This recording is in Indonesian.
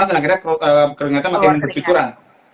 dan akhirnya keringetan mati dengan kecucuran